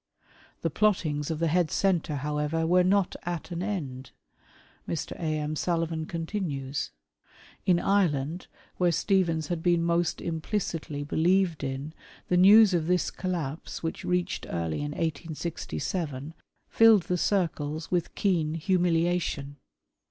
The plottings of the " Head Centre," however, were not at an end. Mr. A. M. Sullivan continues :—" In Ireland, where Stephens had been most implicitly believed in, the news of this collapse — which reached early in 1867 — filled the circles with keen humiliation.